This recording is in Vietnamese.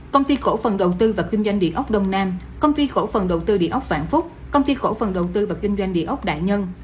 công ty cổ phần đầu tư và kinh doanh địa ốc đông nam công ty cổ phần đầu tư địa ốc vạn phúc công ty cổ phần đầu tư và kinh doanh địa ốc đại nhân